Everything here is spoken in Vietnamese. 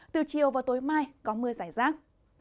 từ chiều vào tối mai có mưa rải rác